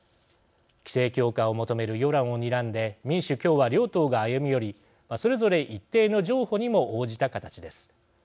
規制強化を求める世論をにらんで民主・共和両党が歩み寄りそれぞれ一定の譲歩にも応じた形です。